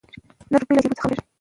نه روپۍ به له جېبو څخه ورکیږي